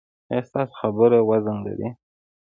ایا ستاسو خبره وزن لري؟